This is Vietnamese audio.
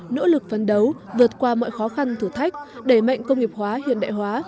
nỗ lực phấn đấu vượt qua mọi khó khăn thử thách đẩy mạnh công nghiệp hóa hiện đại hóa